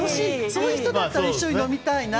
そういう人だったら一緒に飲みたいな。